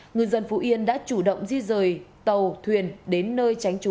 người dân phú yên đã chủ động di rời tàu thuyền đến nơi trải